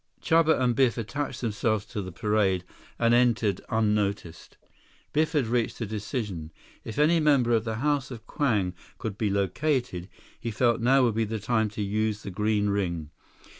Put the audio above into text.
Chuba and Biff attached themselves to the parade and entered unnoticed. Biff had reached a decision. If any member of the House of Kwang could be located, he felt now would be the time to use the green ring.